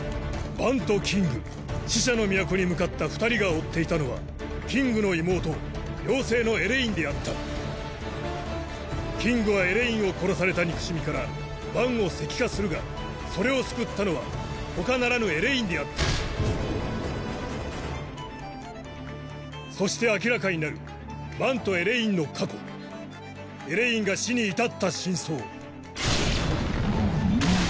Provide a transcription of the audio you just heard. バンとキング死者の都に向かった二人が追っていたのはキングの妹妖精のエレインであったキングはエレインを殺された憎しみからバンを石化するがそれを救ったのはほかならぬエレインであったそして明らかになるバンとエレインの過去エレインが死に至った真相ザシュ！